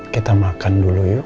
kita makan dulu yuk